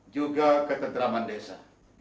juga ketentraman desa